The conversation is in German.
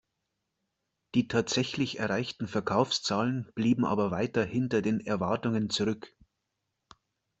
Die tatsächlich erreichten Verkaufszahlen blieben aber weiter hinter den Erwartungen zurück.